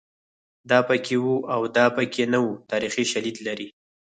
دا پکې وو او دا پکې نه وو تاریخي شالید لري